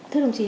thưa đồng chí